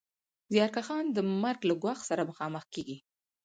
زیارکښان د مرګ له ګواښ سره مخامخ کېږي